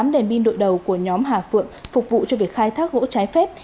tám đèn pin đội đầu của nhóm hà phượng phục vụ cho việc khai thác gỗ trái phép